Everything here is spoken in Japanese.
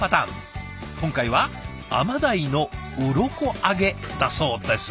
今回は甘ダイのウロコ揚げだそうです。